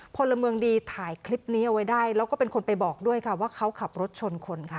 พลเมืองดีถ่ายคลิปนี้เอาไว้ได้แล้วก็เป็นคนไปบอกด้วยค่ะว่าเขาขับรถชนคนค่ะ